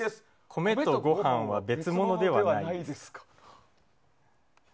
米とごはんは、別物ではないですか。」。